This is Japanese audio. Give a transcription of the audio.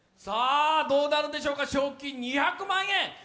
どうなるんでしょうか賞金２００万円。